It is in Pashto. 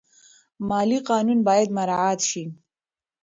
مالي قانون باید مراعات شي.